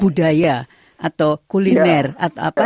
budaya atau kuliner atau apa